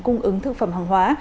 cung ứng thực phẩm hàng hóa